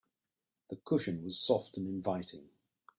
The cushion was soft and inviting.